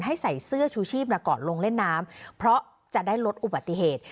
ใส่เสื้อชูชีพก่อนลงเล่นน้ำเพราะจะได้ลดอุบัติเหตุ